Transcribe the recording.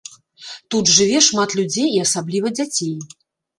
Тут жыве шмат людзей і асабліва дзяцей.